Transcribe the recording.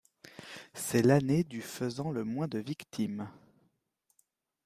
C'est l'année du faisant le moins de victimes.